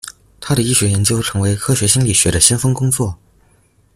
他的医学研究成为科学心理学的先锋工作。